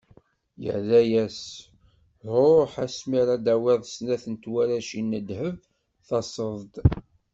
Yerra-as: Ruḥ, ass mi ara d-tawiḍ snat n twaracin n ddheb, taseḍ-d.